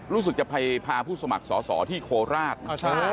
รู้สึกจะไปพาผู้สมัครส่อที่โคล์ราชอ๋อใช่